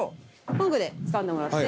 トングでつかんでもらって。